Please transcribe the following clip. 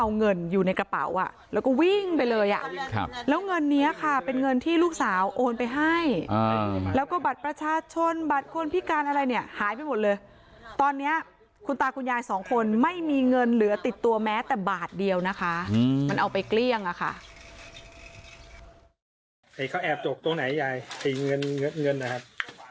หายไปหมดเลยตอนเนี้ยคุณตาคุณยายสองคนไม่มีเงินเหลือติดตัวแม้แต่บาทเดียวนะคะอือมันเอาไปเกลี้ยงอ่ะค่ะเขาแอบจบตรงไหนยายเงินเงินเงินอ่ะครับ